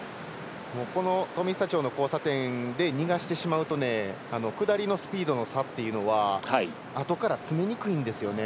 この富久町の交差点で逃がしてしまうと下りのスピードの差っていうのはあとから詰めにくいんですよね。